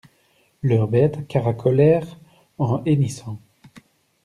Leurs bêtes caracolèrent, en hennissant.